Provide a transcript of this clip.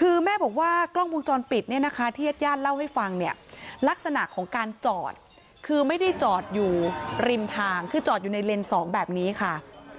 คือแม่บอกว่ากล้องวงจรปิดเนี่ยนะคะที่ญาติญาติเล่าให้ฟังเนี่ยลักษณะของการจอดคือไม่ได้จอดอยู่ริมทางคือจอดอยู่ในเลนส์๒แบบนี้ค่ะ